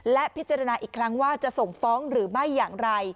และพิจารณาอีกครั้งว่าจะส่งฟ้องหรือไม่อย่างไร